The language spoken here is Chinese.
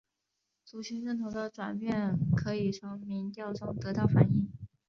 族群认同的转变可以从民调中得到反映。